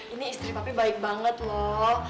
ini istri papi baik banget loh